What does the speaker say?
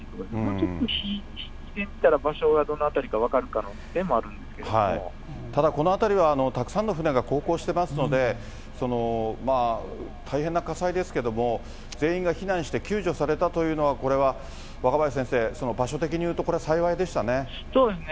ちょっと引いてみたら場所がどの辺りか分かる可能性もあるんですただこの辺りはたくさんの船が航行してますので、大変な火災ですけれども、全員が避難して救助されたというのは、これは若林先生、場所的にいうと、そうですね。